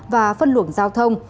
và phân luận giao thông